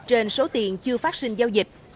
trên số tiền chưa phát sinh giao dịch